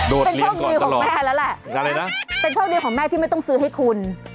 โดดเรียนก่อนตลอดอะไรนะเป็นโชคดีของแม่แล้วแหละเป็นโชคดีของแม่ที่ไม่ต้องซื้อให้คุณ